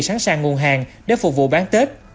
sẵn sàng nguồn hàng để phục vụ bán tết